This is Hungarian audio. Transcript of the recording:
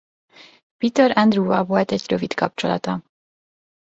Peter Andre-val volt egy rövid kapcsolata.